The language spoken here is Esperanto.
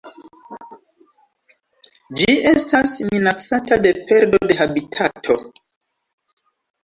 Ĝi estas minacata de perdo de habitato.